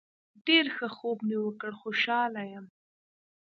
ډیر ښه خوب مې وکړ خوشحاله یم